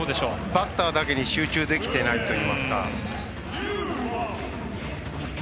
バッターだけに集中できていないといいますか。